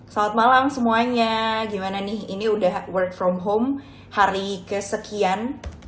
selamat malam semuanya gimana nih ini udah work from home hari kesekian